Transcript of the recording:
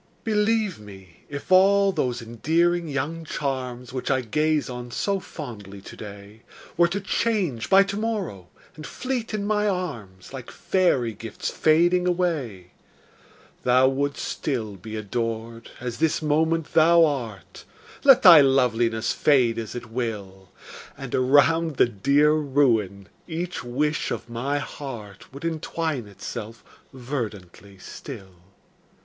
Believe me, if all those endearing young charms, Which I gaze on so fondly today, Were to change by to morrow, and fleet in my arms, Like fairy gifts fading away, Thou wouldst still be adored, as this moment thou art. Let thy loveliness fade as it will. And around the dear ruin each wish of my heart Would entwine itself verdantly still.